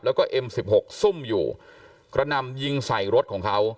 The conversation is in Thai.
แล้วก็เอ็มสิบหกซุ่มอยู่กระนำยิงใส่รถของเขา